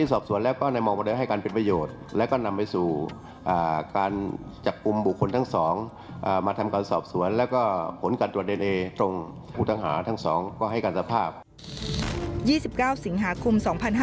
๒๙สิงหาคม๒๕๖๒